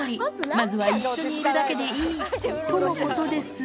まずは一緒にいるだけでいい、とのことですが。